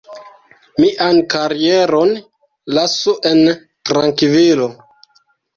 Mian karieron lasu en trankvilo.